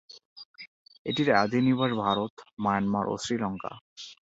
এটির আদি নিবাস ভারত, মায়ানমার ও শ্রীলঙ্কা।